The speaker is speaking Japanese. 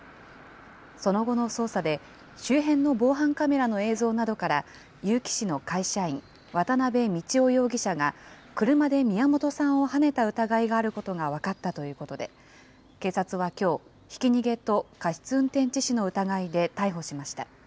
その後の操作で、周辺の防犯カメラの映像などから、結城市の会社員、渡邉道雄容疑者が、車で宮本さんをはねた疑いがあることが分かったということで、警察はきょう、ひき逃げと過失運転致死の疑いで逮捕しました。